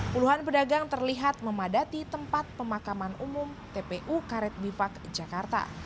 puluhan pedagang terlihat memadati tempat pemakaman umum tpu karet bipak jakarta